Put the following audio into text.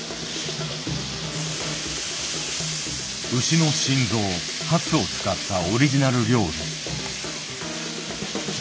牛の心臓ハツを使ったオリジナル料理。